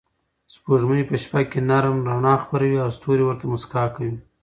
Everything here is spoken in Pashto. سپوږمۍ په شپه کې نرم رڼا خپروي او ستوري ورته موسکا کوي.